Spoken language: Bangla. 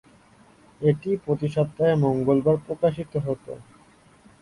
এটি প্রতি সপ্তাহে মঙ্গলবার প্রকাশিত হতো।